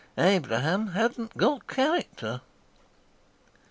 Abraham hadn't got character."